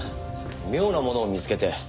妙なものを見つけて。